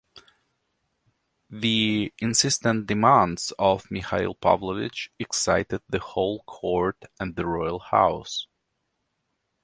The insistent demands of Mikhail Pavlovich excited the whole court and the royal house.